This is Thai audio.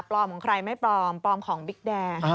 ของใครไม่ปลอมปลอมของบิ๊กแดง